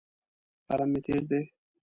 قلم مې تیز دی.